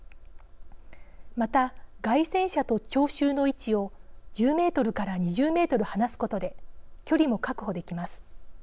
また街宣車と聴衆の位置を１０ｍから２０ｍ離すことで距離も確保できます。